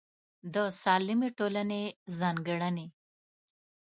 د سالمې ټولنې ځانګړنې